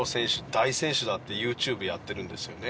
大選手だってＹｏｕＴｕｂｅやってるんですよね